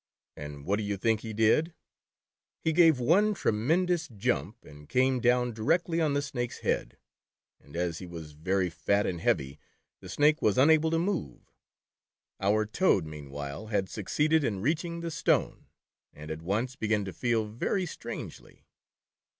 And what do you think he did ? He gave one tremendous jump, and came down directly on the Snake's head, and as he was very fat and heavy, the Snake was unable to move. Our Toad, meanwhile, had succeeded in reaching the stone, and at once began to feel very strangely.